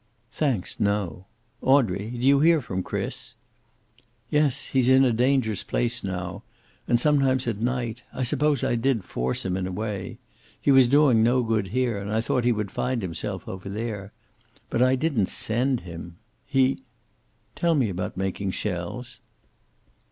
"Thanks, no. Audrey, do you hear from Chris?" "Yes. He's in a dangerous place now, and sometimes at night I suppose I did force him, in a way. He was doing no good here, and I thought he would find himself over there. But I didn't send him. He Tell me about making shells."